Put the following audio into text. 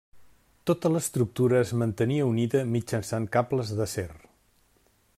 Tota l'estructura es mantenia unida mitjançant cables d'acer.